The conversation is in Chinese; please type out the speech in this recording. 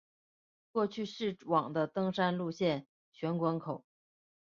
过去是往的登山路线玄关口。